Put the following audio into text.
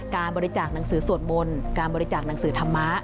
การบริจาคหนังสือสวดมนต์การบริจาคหนังสือธรรมะ